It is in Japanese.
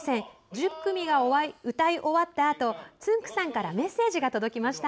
１０組が歌い終わったあとつんく♂さんからメッセージが届きました。